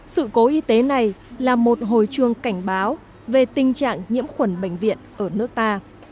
sự cố y tế này là một hồi chuông cảnh báo về tình trạng nhiễm khuẩn bệnh viện ở nước ta